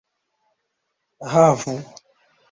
havu